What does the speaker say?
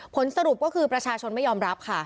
ผลสรุปก็คือประชาชนไม่ยอมรับค่ะ